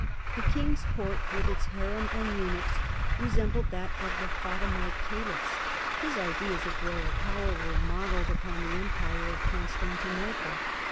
The king's court, with its harem and eunuchs, resembled that of the Fatimite caliphs; his ideas of royal power were modelled upon the empire of Con stantinople.